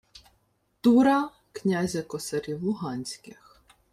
— Тура, князя косарів луганських.